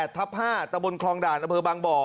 ๘๕ตระบนคลองด่านอะเบอร์บางบ่อ